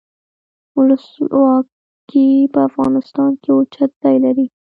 ولسواکي په افغانستان کې اوچت ځای لري.